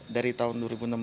dari tahun dua ribu enam belas